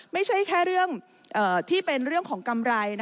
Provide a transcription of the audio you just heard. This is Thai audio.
ไม่ใช่แค่เรื่องที่เป็นเรื่องของกำไร